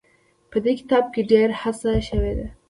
په دې کتاب کې ډېره هڅه شوې ده.